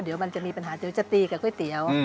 เดี๋ยวมันจะมีปัญหาเดี๋ยวจะตีกับก๋วยเตี๋ยว